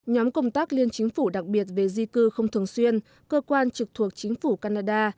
nhóm công tác liên chính phủ đặc biệt về di cư không thường xuyên cơ quan trực thuộc chính phủ canada